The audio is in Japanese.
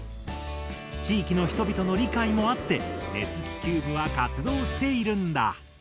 地域の人々の理解もあって熱気球部は活動しているんだ。